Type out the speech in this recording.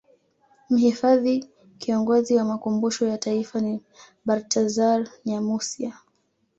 Mhifadhi Kiongozi wa Makumbusho ya Taifa ni Bartazar Nyamusya